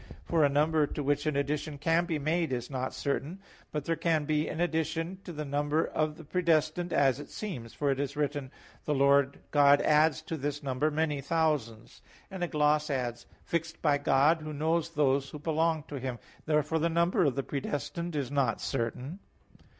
For a number to which an addition can be made is not certain. But there can be an addition to the number of the predestined as it seems; for it is written (Deut. 1:11): "The Lord God adds to this number many thousands," and a gloss adds, "fixed by God, who knows those who belong to Him." Therefore the number of the predestined is not certain.